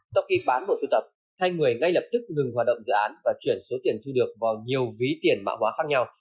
sau khi bán bộ sưu tập hai người ngay lập tức ngừng hoạt động dự án và chuyển số tiền thu được vào nhiều ví tiền mã hóa khác nhau